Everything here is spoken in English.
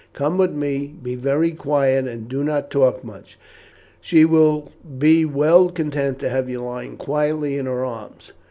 Come with me; be very quiet and do not talk much. She will be well content to have you lying quietly in her arms."